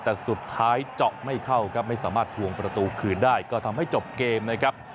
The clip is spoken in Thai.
แต่สุดท้ายเจาะไม่เข้าครับไม่สามารถทวงประตูคืนได้ก็ทำให้จบเกมนะครับ